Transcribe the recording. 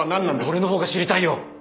俺の方が知りたいよ。